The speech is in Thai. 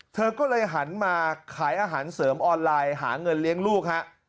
เธอก็เลยหันมาขายอาหารเสริมออนไลน์หาเงินเลี้ยงลูกฮะ